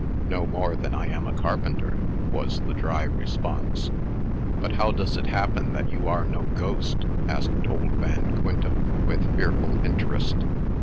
"No more than I am a carpenter," was the dry response. "But how does it happen that you are no ghost?" asked old Van Quintem, with fearful interest.